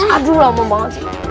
aduh lama banget sih